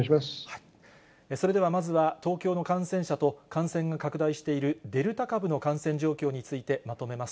それではまずは、東京の感染者と、感染が拡大しているデルタ株の感染状況についてまとめます。